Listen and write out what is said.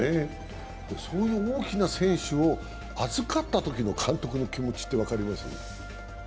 そういう大きな選手を預かったときの監督の気持ちって分かります？